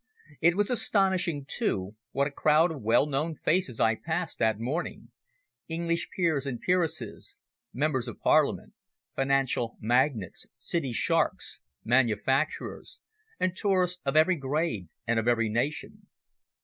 It was astonishing, too, what a crowd of well known faces I passed that morning English peers and peeresses, Members of Parliament, financial magnates, City sharks, manufacturers, and tourists of every grade and of every nation.